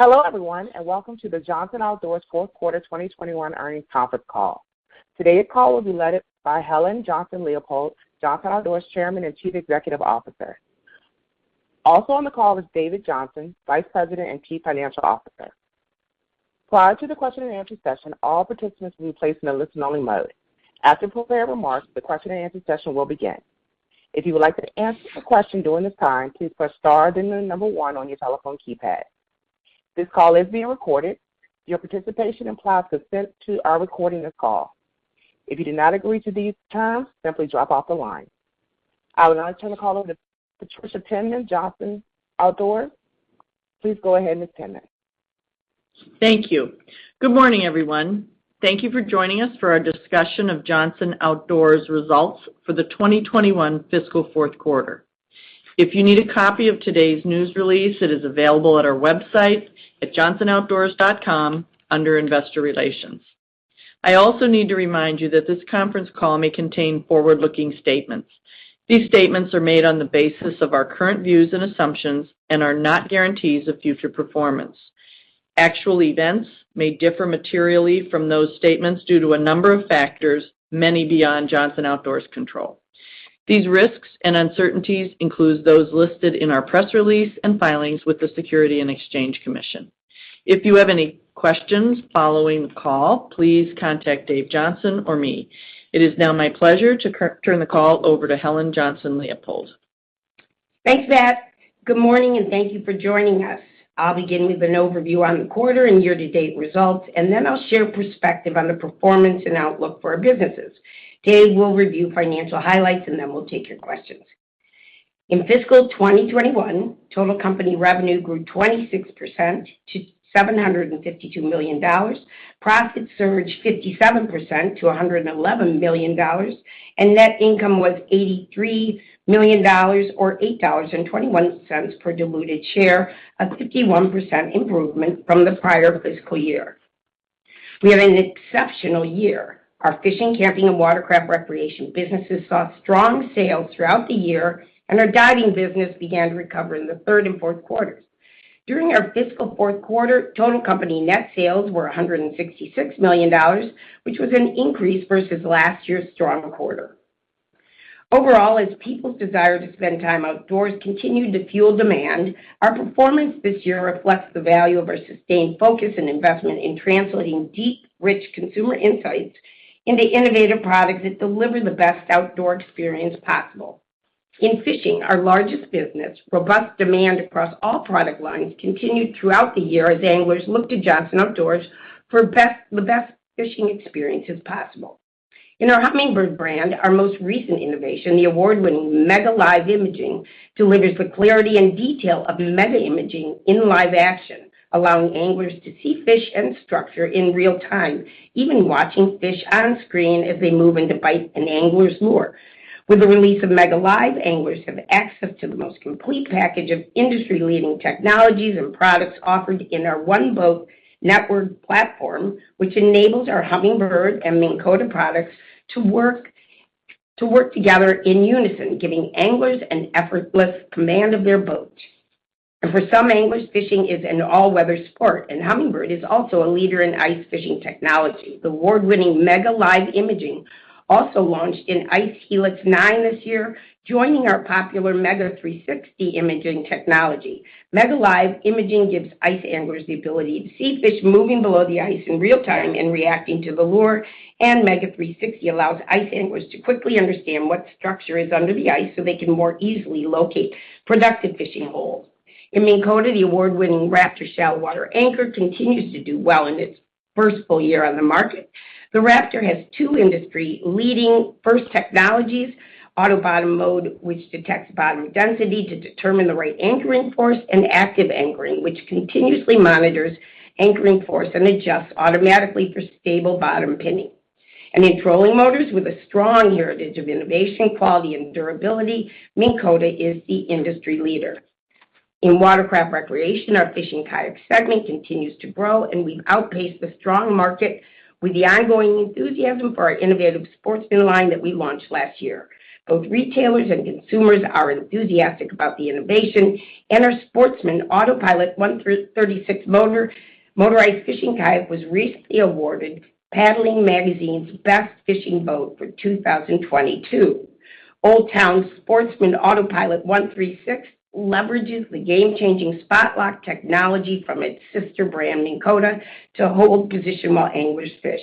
Hello, everyone, and welcome to the Johnson Outdoors Q4 2021 earnings Conference Call. Today's call will be led by Helen Johnson-Leipold, Johnson Outdoors Chairman and Chief Executive Officer. Also on the call is David Johnson, Vice President and Chief Financial Officer. Prior to the question-and-answer session, all participants will be placed in a listen-only mode. After prepared remarks, the question-and-answer session will begin. If you would like to ask a question during this time, please press star, then the number one on your telephone keypad. This call is being recorded. Your participation implies consent to our recording this call. If you do not agree to these terms, simply drop off the line. I would now turn the call over to Patricia Penman, Johnson Outdoors. Please go ahead, Ms. Penman. Thank you. Good morning, everyone. Thank you for joining us for our discussion of Johnson Outdoors results for the 2021 fiscal Q4. If you need a copy of today's news release, it is available at our website at johnsonoutdoors.com under Investor Relations. I also need to remind you that this Conference Call may contain forward-looking statements. These statements are made on the basis of our current views and assumptions and are not guarantees of future performance. Actual events may differ materially from those statements due to a number of factors, many beyond Johnson Outdoors' control. These risks and uncertainties include those listed in our press release and filings with the Securities and Exchange Commission. If you have any questions following the call, please contact Dave Johnson or me. It is now my pleasure to turn the call over to Helen Johnson-Leipold. Thanks, Pat. Good morning, and thank you for joining us. I'll begin with an overview on the quarter and year-to-date results, and then I'll share perspective on the performance and outlook for our businesses. Dave will review financial highlights, and then we'll take your questions. In fiscal 2021, total company revenue grew 26% to $752 million. Profit surged 57% to $111 million, and net income was $83 million or $8.21 per diluted share, a 51% improvement from the prior fiscal year. We had an exceptional year. Our fishing, camping, and watercraft recreation businesses saw strong sales throughout the year, and our diving business began to recover in the third and fourth quarters. During our fiscal Q4, total company net sales were $166 million, which was an increase versus last year's strong quarter. Overall, as people's desire to spend time outdoors continued to fuel demand, our performance this year reflects the value of our sustained focus and investment in translating deep, rich consumer insights into innovative products that deliver the best outdoor experience possible. In fishing, our largest business, robust demand across all product lines continued throughout the year as anglers looked to Johnson Outdoors for the best fishing experiences possible. In our Humminbird brand, our most recent innovation, the award-winning MEGA Live Imaging, delivers the clarity and detail of mega imaging in live action, allowing anglers to see fish and structure in real-time, even watching fish on screen as they move in to bite an angler's lure. With the release of MEGA Live, anglers have access to the most complete package of industry-leading technologies and products offered in our One-Boat Network platform, which enables our Humminbird and Minn Kota products to work together in unison, giving anglers an effortless command of their boat. For some anglers, fishing is an all-weather sport, and Humminbird is also a leader in ice fishing technology. The award-winning MEGA Live Imaging also launched in ICE HELIX 9 this year, joining our popular MEGA 360 Imaging technology. MEGA Live Imaging gives ice anglers the ability to see fish moving below the ice in real time and reacting to the lure, and MEGA 360 allows ice anglers to quickly understand what structure is under the ice so they can more easily locate productive fishing holes. In Minn Kota, the award-winning Raptor Shallow Water Anchor continues to do well in its first full-year on the market. The Raptor has two industry-leading first technologies, Auto Bottom Mode, which detects bottom-density to determine the right anchoring force, and Active Anchoring, which continuously monitors anchoring force and adjusts automatically for stable bottom-pinning. In trolling motors, with a strong heritage of innovation, quality, and durability, Minn Kota is the industry leader. In watercraft recreation, our fishing kayak segment continues to grow, and we've outpaced the strong market with the ongoing enthusiasm for our innovative Sportsman line that we launched last year. Both retailers and consumers are enthusiastic about the innovation, and our Sportsman AutoPilot 136 motorized fishing kayak was recently awarded Paddling Magazine's Best Fishing Boat for 2022. Old Town's Sportsman AutoPilot 136 leverages the game-changing Spot-Lock technology from its sister brand, Minn Kota, to hold position while anglers fish.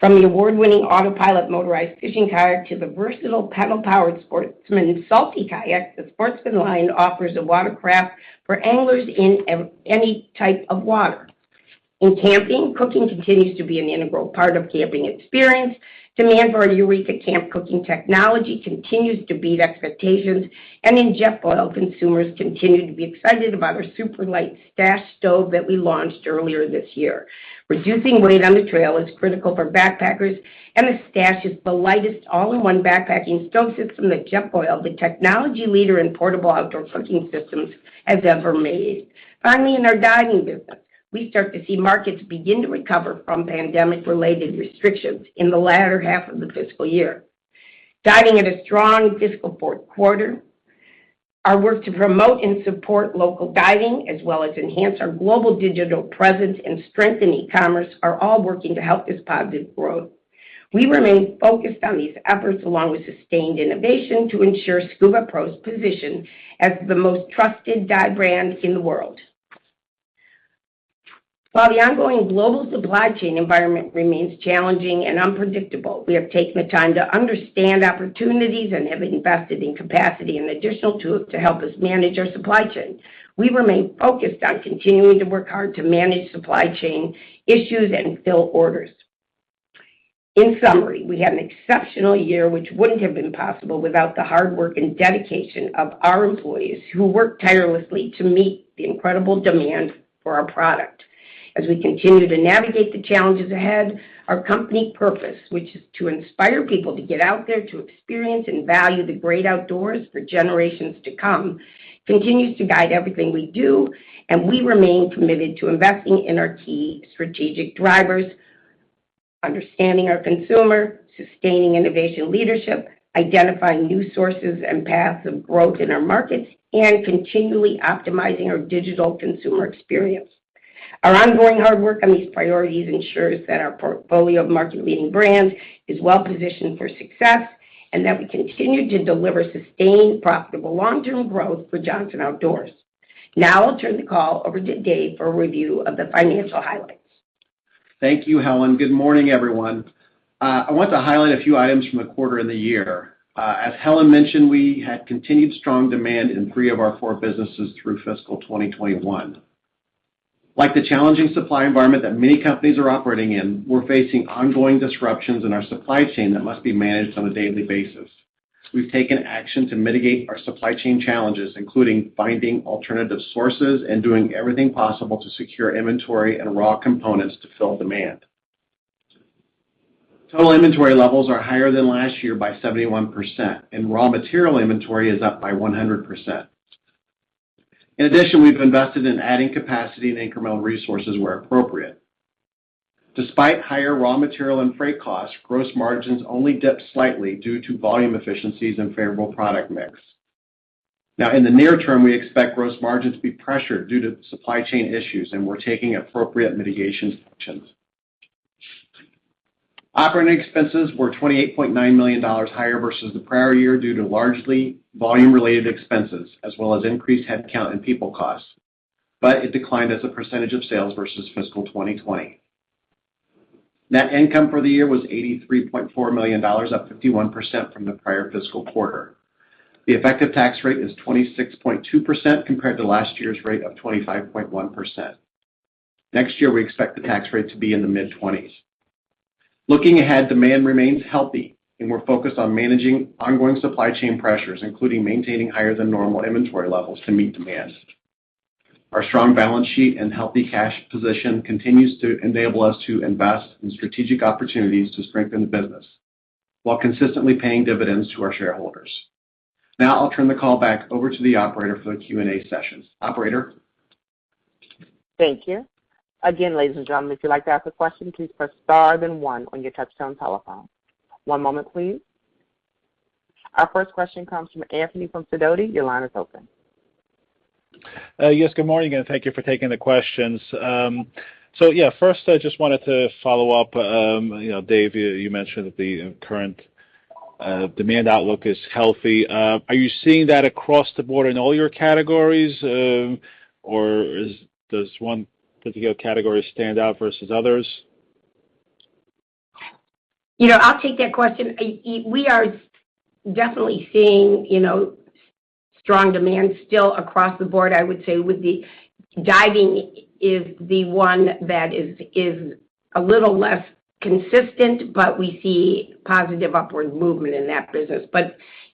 From the award-winning AutoPilot motorized fishing kayak to the versatile pedal-powered Sportsman Salty kayak, the Sportsman line offers a watercraft for anglers in any type of water. In camping, cooking continues to be an integral part of camping experience. Demand for our Eureka camp cooking technology continues to beat expectations. In Jetboil, consumers continue to be excited about our super light Stash stove that we launched earlier this year. Reducing weight on the trail is critical for backpackers, and the Stash is the lightest all-in-one backpacking stove system that Jetboil, the technology leader in portable outdoor cooking systems, has ever made. Finally, in our diving business, we start to see markets begin to recover from pandemic-related restrictions in the latter half of the fiscal year. We're guiding for a strong fiscal Q4. Our work to promote and support local diving, as well as enhance our global digital presence and strengthen e-commerce are all working to help this positive growth. We remain focused on these efforts along with sustained innovation to ensure SCUBAPRO's position as the most trusted dive brand in the world. While the ongoing global supply chain environment remains challenging and unpredictable, we have taken the time to understand opportunities and have invested in capacity and additional tools to help us manage our supply chain. We remain focused on continuing to work hard to manage supply chain issues and fill orders. In summary, we had an exceptional year, which wouldn't have been possible without the hard work and dedication of our employees who work tirelessly to meet the incredible demand for our product. As we continue to navigate the challenges ahead, our company purpose, which is to inspire people to get out there to experience and value the great outdoors for generations to come, continues to guide everything we do, and we remain committed to investing in our key strategic drivers, understanding our consumer, sustaining innovation leadership, identifying new sources and paths of growth in our markets, and continually optimizing our digital consumer experience. Our ongoing hard work on these priorities ensures that our portfolio of market-leading brands is well positioned for success, and that we continue to deliver sustained, profitable long-term growth for Johnson Outdoors. Now I'll turn the call over to Dave for a review of the financial highlights. Thank you, Helen. Good morning, everyone. I want to highlight a few items from the quarter and the year. As Helen mentioned, we had continued strong demand in three of our four businesses through fiscal 2021. Like the challenging supply environment that many companies are operating in, we're facing ongoing disruptions in our supply chain that must be managed on a daily basis. We've taken action to mitigate our supply chain challenges, including finding alternative sources and doing everything possible to secure inventory and raw components to fill demand. Total inventory levels are higher than last year by 71%, and raw material inventory is up by 100%. In addition, we've invested in adding capacity and incremental resources where appropriate. Despite higher raw material and freight costs, gross margins only dipped slightly due to volume efficiencies and favorable product mix. Now, in the near term, we expect gross margin to be pressured due to supply chain issues, and we're taking appropriate mitigation actions. Operating expenses were $28.9 million higher versus the prior year due to largely volume-related expenses as well as increased headcount and people costs. It declined as a percentage of sales versus fiscal 2020. Net income for the year was $83.4 million, up 51% from the prior fiscal quarter. The effective tax rate is 26.2% compared to last year's rate of 25.1%. Next year, we expect the tax rate to be in the mid-20s. Looking ahead, demand remains healthy, and we're focused on managing ongoing supply chain pressures, including maintaining higher than normal inventory levels to meet demand. Our strong balance sheet and healthy cash position continues to enable us to invest in strategic opportunities to strengthen the business while consistently paying dividends to our shareholders. Now I'll turn the call back over to the operator for the Q&A session. Operator? Our first question comes from Anthony from Sidoti. Your line is open. Yes, good morning, and thank you for taking the questions. Yeah, first, I just wanted to follow-up, you know, Dave, you mentioned that the current demand outlook is healthy. Are you seeing that across the board in all your categories, or does one particular category stand out versus others? You know, I'll take that question. We are definitely seeing, you know, strong demand still across the board, I would say, with diving is the one that is a little less consistent, but we see positive upward movement in that business.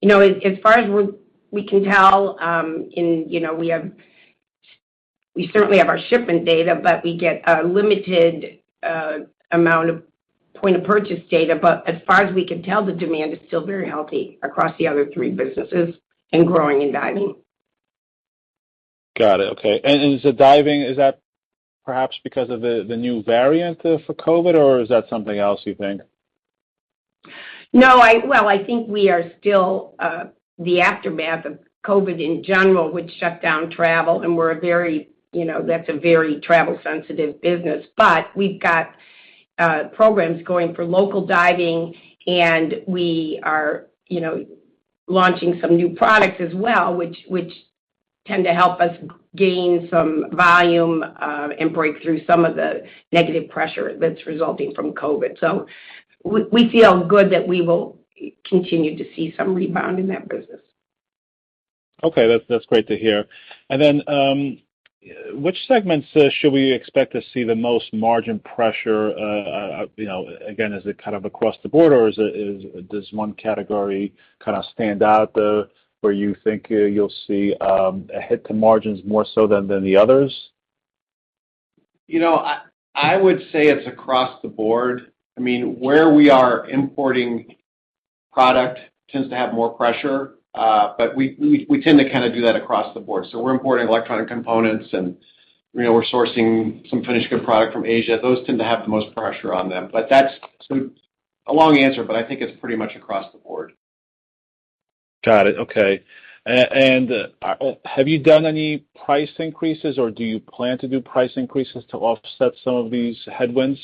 You know, as far as we can tell, you know, we certainly have our shipment data, but we get a limited amount of point-of-purchase data. As far as we can tell, the demand is still very healthy across the other three businesses and growing in diving. Got it. Okay. Diving, is that perhaps because of the new variant for COVID, or is that something else, you think? No. Well, I think we are still the aftermath of COVID in general, which shut down travel, and we're a very, you know, that's a very travel-sensitive business. We've got programs going for local diving, and we are, you know, launching some new products as well, which tend to help us gain some volume, and break through some of the negative pressure that's resulting from COVID. We feel good that we will continue to see some rebound in that business. Okay. That's great to hear. Which segments should we expect to see the most margin pressure, you know, again, is it kind of across the board, or does one category kind of stand out, where you think you'll see a hit to margins more so than the others? You know, I would say it's across the board. I mean, where we are importing product tends to have more pressure, but we tend to kinda do that across the board. So we're importing electronic components and you know, we're sourcing some finished good product from Asia. Those tend to have the most pressure on them. But that's so a long answer, but I think it's pretty much across the board. Got it. Okay. Have you done any price increases, or do you plan to do price increases to offset some of these headwinds?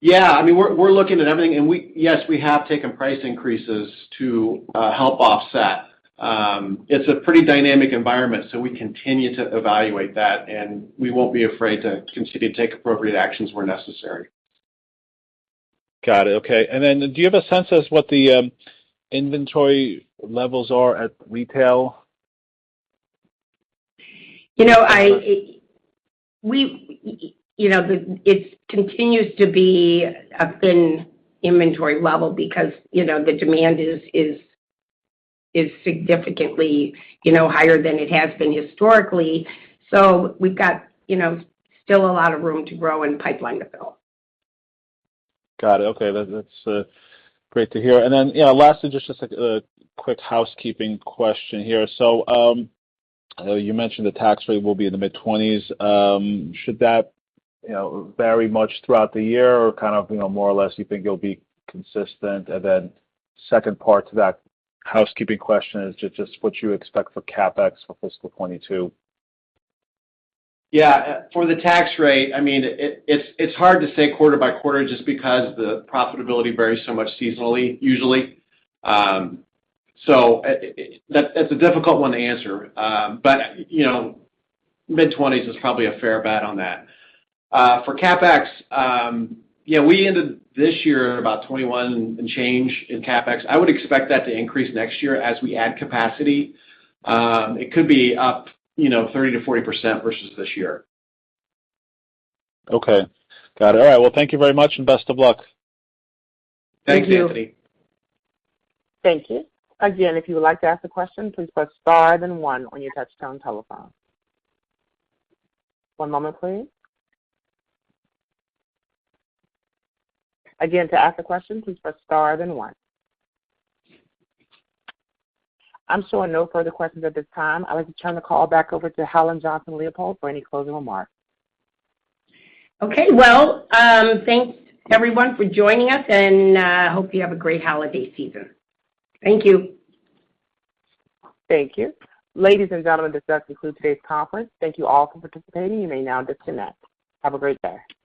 Yeah. I mean, we're looking at everything, and yes, we have taken price increases to help offset. It's a pretty dynamic environment, so we continue to evaluate that, and we won't be afraid to continue to take appropriate actions where necessary. Got it. Okay. Do you have a sense of what the inventory levels are at retail? You know, it continues to be a thin inventory level because, you know, the demand is significantly, you know, higher than it has been historically. We've got, you know, still a lot of room to grow and pipeline to fill. Got it. Okay. That's great to hear. You know, lastly, just a quick housekeeping question here. You mentioned the tax rate will be in the mid-20s%. Should that, you know, vary much throughout the year or kind of, you know, more or less you think it'll be consistent? Second part to that housekeeping question is just what you expect for CapEx for fiscal 2022. Yeah. For the tax rate, I mean, it's hard to say quarter-by-quarter just because the profitability varies so much seasonally, usually. That's a difficult one to answer. You know, mid-20s% is probably a fair bet on that. For CapEx, yeah, we ended this year about $21 and change in CapEx. I would expect that to increase next year as we add capacity. It could be up, you know, 30%-40% versus this year. Okay. Got it. All right. Well, thank you very much and best of luck. Thanks, Anthony. Thank you. I'm showing no further questions at this time. I would like to turn the call back over to Helen Johnson-Leipold for any closing remarks. Okay. Well, thanks everyone for joining us, and I hope you have a great holiday season. Thank you. Thank you. Ladies and gentlemen, this does conclude today's conference. Thank you all for participating. You may now disconnect. Have a great day.